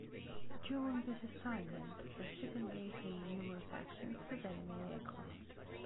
During this assignment, the ship engaged in numerous actions with enemy aircraft.